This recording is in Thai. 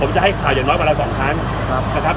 ผมจะให้ข่าวอย่างน้อยวันละ๒ครั้งนะครับ